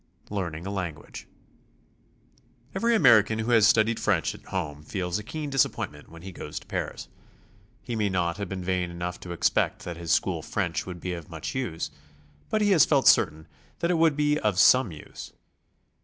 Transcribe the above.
LEARNING A LANGUAGE. Every American who has studied French at home teels a keen disappointment when he goes to Paris. He may not have been vain enough to expect that his school French would be of much use, but he has felt certain that it would be be of some use.